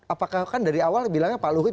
apakah kan dari awal bilangnya pak luhut